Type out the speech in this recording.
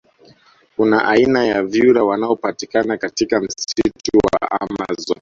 Kuna aina ya vyura wanaopatikana katika msitu wa amazon